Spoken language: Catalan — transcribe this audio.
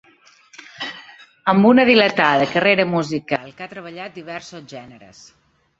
Amb una dilatada carrera musical que ha treballat diversos gèneres.